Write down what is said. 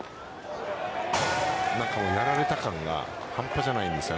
やられた感が半端じゃないですよ。